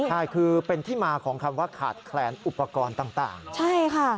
ใช่คือเป็นที่มาของคำว่าขาดแคลนอุปกรณ์ต่างใช่ค่ะ